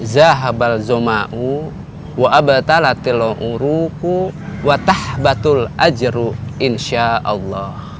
zahabal zoma'u wa abatala tilau'uruku wa tahbatul ajaru insya'allah